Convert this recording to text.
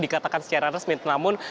dikatakan secara resmi namun